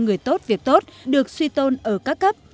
người tốt việc tốt được suy tôn ở các cấp